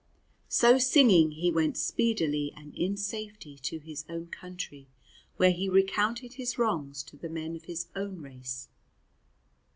So singing he went speedily and in safety to his own country, where he recounted his wrongs to the men of his own race.